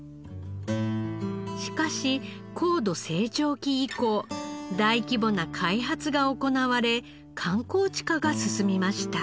しかし高度成長期以降大規模な開発が行われ観光地化が進みました。